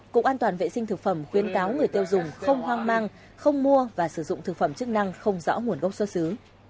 cục an toàn vệ sinh thực phẩm khuyến cáo người tiêu dùng không hoang mang không mua và sử dụng thực phẩm chức năng không rõ nguồn gốc xuất xứ